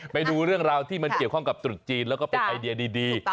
ไปดูเรื่องราวที่มันเกี่ยวข้องกับตรุษจีนแล้วก็เป็นไอเดียดี